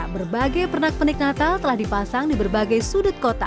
berbagai pernak pernik natal telah dipasang di berbagai sudut kota